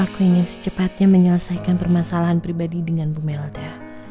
aku ingin secepatnya menyelesaikan permasalahan pribadi dengan bu melda